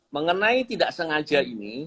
mengenai tidak sengaja ini